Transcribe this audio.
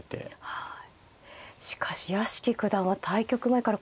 はい。